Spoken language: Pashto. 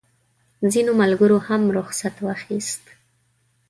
ځینو ملګرو هم رخصت واخیست.